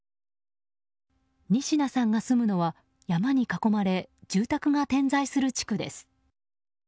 仁科さんが住むのは山に囲まれ住宅が点在する地区です。